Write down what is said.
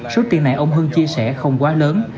số tiền này ông hưng chia sẻ không quá lớn